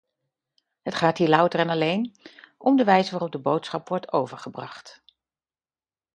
Het gaat hier louter en alleen om de wijze waarop de boodschap wordt overgebracht.